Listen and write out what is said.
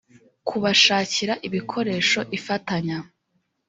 kubashakira ibikoresho ifatanya